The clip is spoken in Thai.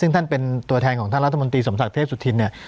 ซึ่งท่านเป็นตัวแทนของท่านรัฐมนตรีสมศักดิ์เทพสุธินเนี่ย